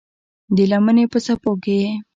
د لمنې په څپو کې یې